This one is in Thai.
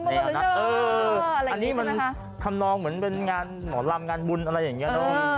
อันนี้มันทำนองเหมือนเป็นงานหมอลำงานบุญอะไรอย่างนี้เนอะ